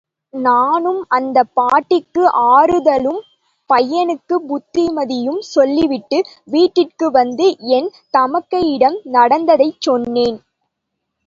நானும் அந்தப் பாட்டிக்கு ஆறுதலும், பையனுக்கு புத்திமதியும் சொல்லிவிட்டு வீட்டிற்கு வந்து என் தமக்கையிடம் நடந்ததைச் சொன்னேன்.